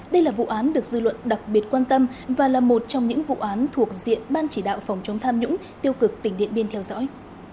đây là vụ án được dư luận đặc biệt quan tâm và là một trong những vụ án thuộc diện ban chỉ đạo phòng chống tham nhũng tiêu cực tỉnh điện biên theo dõi